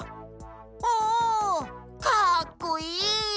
おおかっこいい。